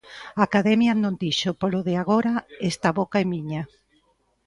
A Academia non dixo polo de agora esta boca é miña.